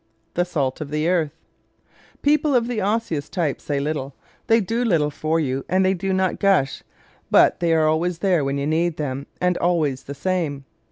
The "Salt of the Earth" ¶ People of the Osseous type say little, they do little for you and they do not gush but they are always there when you need them and "always the same."